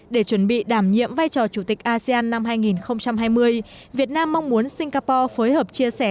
để chuẩn bị đảm nhiệm vai trò chủ tịch asean năm hai nghìn hai mươi việt nam mong muốn singapore phối hợp chia sẻ